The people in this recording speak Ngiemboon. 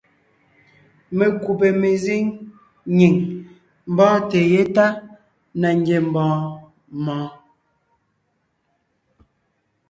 Mekúbè mezíŋ nyìŋ mbɔ́ɔnte yétana ngiembɔɔn mɔɔn.